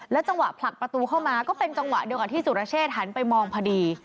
จังหวะผลักประตูเข้ามาก็เป็นจังหวะเดียวกับที่สุรเชษฐหันไปมองพอดี